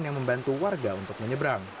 dan membantu warga untuk menyeberang